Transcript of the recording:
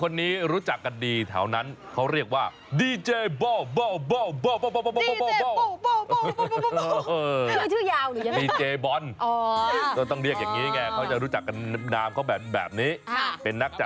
ลีลาน้ำเสียงไม่ธรรมนา